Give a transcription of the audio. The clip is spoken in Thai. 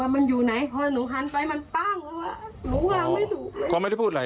เป็นฟังกว่าดีเลย